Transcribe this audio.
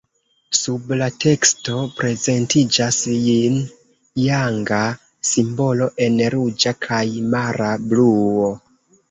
Sub la teksto prezentiĝas jin-janga simbolo en ruĝa kaj mara bluo.